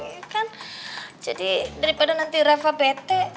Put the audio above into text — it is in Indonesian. iya kan jadi daripada nanti reva bete